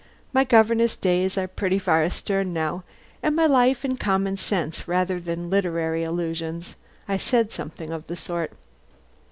My governess days are pretty far astern now, and my line is common sense rather than literary allusions. I said something of the sort.